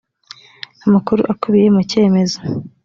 amakuru akubiye mu cyemezo